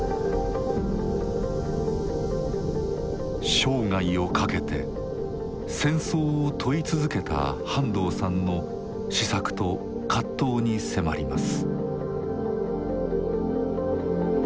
生涯をかけて戦争を問い続けた半藤さんの思索と葛藤に迫ります。